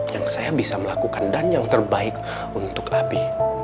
yang saya bisa melakukan dan yang terbaik untuk abi